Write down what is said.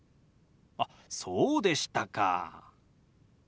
あっそうでしたか。